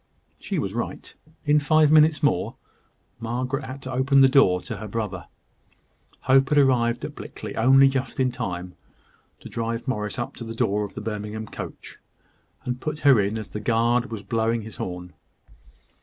She was right. In five minutes more, Margaret had to open the door to her brother. Hope had arrived at Blickley only just in time to drive Morris up to the door of the Birmingham coach, and put her in as the guard was blowing his horn.